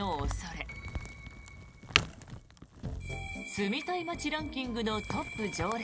住みたい街ランキングのトップ常連